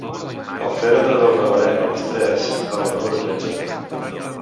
El fèretre del reverend a les tres, per al número tretze.